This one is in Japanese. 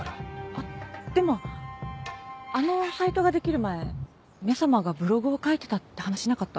あっでもあのサイトが出来る前「め様」がブログを書いてたって話なかった？